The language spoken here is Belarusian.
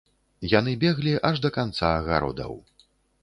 Яны беглі аж да канца агародаў.